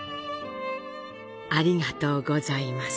ありがとうございます。